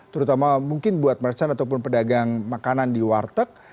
terutama mungkin buat merchant ataupun pedagang makanan di warteg